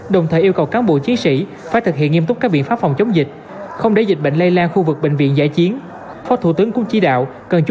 đồng thời yêu cầu cán bộ chiến sĩ phải thực hiện nghiêm túc các biện pháp phòng chống dịch